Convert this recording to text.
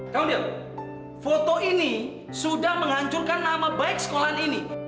kang del foto ini sudah menghancurkan nama baik sekolah ini